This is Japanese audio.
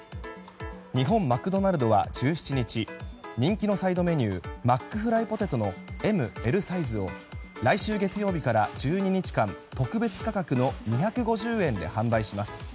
日本マクドナルドは、１７日人気のサイドメニューマックフライポテトのＭ・Ｌサイズを来週月曜日から１２日間特別価格の２５０円で販売します。